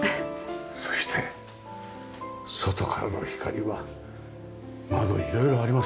そして外からの光は窓色々ありますよ。